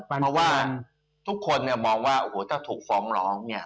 เพราะว่าทุกคนเนี่ยมองว่าโอ้โหถ้าถูกฟ้องร้องเนี่ย